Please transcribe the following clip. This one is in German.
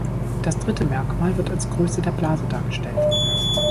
Das dritte Merkmal wird als Größe der Blase dargestellt.